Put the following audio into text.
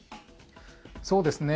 そうですね。